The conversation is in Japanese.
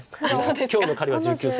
今日の彼は１９歳。